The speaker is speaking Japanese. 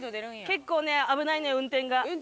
結構ね危ないのよ運転が。